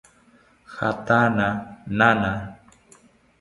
Jatana nana